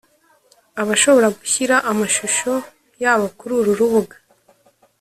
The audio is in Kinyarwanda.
Abashobora gushyira amashusho yabo kuri uru rubuga